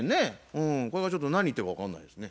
うんこれはちょっと何言ってるか分かんないですね。